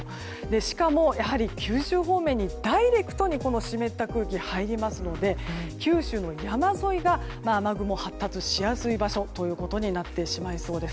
しかも、九州方面にダイレクトに湿った空気が入りますので、九州の山沿いが雨雲が発達しやすい場所となってしまいそうです。